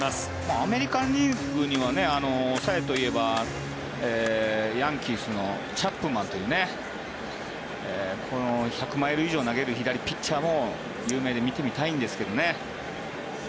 アメリカン・リーグには抑えといえばヤンキースのチャップマンという１００マイル以上投げる左ピッチャーも有名で見てみたいんですけどね。